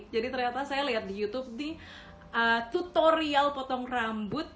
jadi ternyata saya lihat di youtube di tutorial potong rambut